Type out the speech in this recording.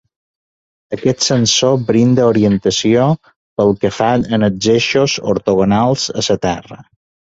Aquest sensor brinda orientació pel que fa als eixos ortogonals a la Terra.